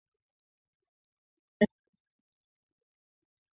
广东揭阳县榕城东门人。